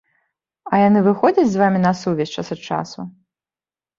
А яны выходзяць з вамі на сувязь час ад часу?